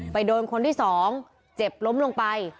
โดนคนที่สองเจ็บล้มลงไป